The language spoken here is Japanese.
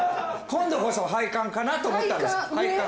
今度こそ配管かなと思ったんです。